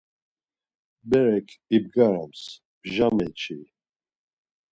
Berek ibgarams, mja meçi.